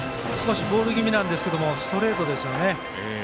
ボール気味なんですけどストレートですよね。